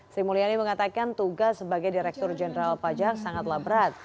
sri mulyani mengatakan tugas sebagai direktur jenderal pajak sangatlah berat